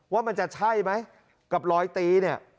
ว่ามันจะใช่ไหมกับร้อยตี